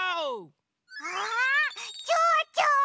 わあちょうちょ！